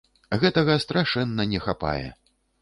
Гэтага страшэнна не хапае.